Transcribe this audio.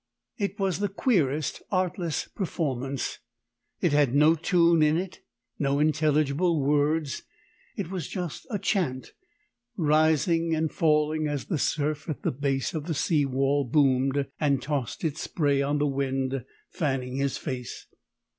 It was the queerest artless performance: it had no tune in it, no intelligible words it was just a chant rising and falling as the surf at the base of the sea wall boomed and tossed its spray on the wind fanning his face.